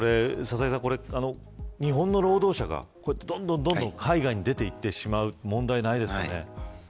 日本の労働者がどんどん海外に出て行ってしまう問題ないんですかね。